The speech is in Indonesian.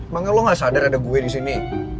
makanya lo gak sadar ada gue di sini